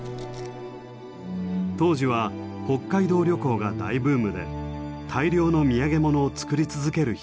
当時は北海道旅行が大ブームで大量の土産物を作り続ける日々でした。